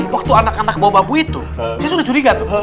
waktu anak anak bawa bambu itu saya sudah curiga tuh